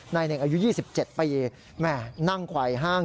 เน่งอายุ๒๗ปีแม่นั่งควายห้าง